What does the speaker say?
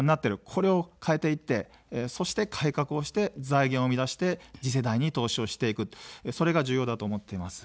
これを変えていって、そして改革をして、財源を生み出して次世代に投資をしていく、それが重要だと思っています。